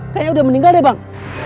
kayaknya udah meninggal ya bang